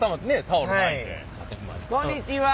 こんにちは。